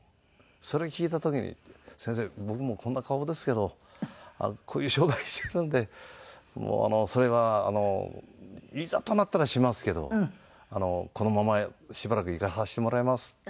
それを聞いた時に「先生僕もうこんな顔ですけどこういう商売してるんでもうそれはいざとなったらしますけどこのまましばらくいかさせてもらいます」って。